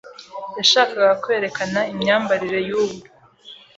Yashakaga kwerekana imyambarire y’ubu